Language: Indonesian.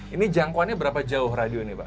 ini jangkauannya berapa jauh radio ini pak